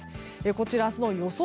こちら明日の予想